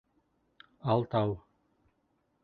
— Алтау.